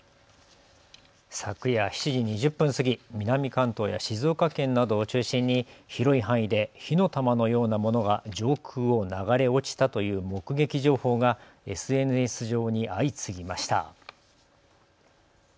昨夜７時２０分過ぎ、南関東や静岡県などを中心に広い範囲で火の玉のようなものが上空を流れ落ちたという目撃情報がＳＮＳ上に相次ぎました。